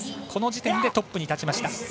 この時点でトップに立ちました。